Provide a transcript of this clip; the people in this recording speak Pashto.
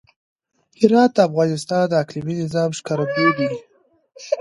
هرات د افغانستان د اقلیمي نظام ښکارندوی دی.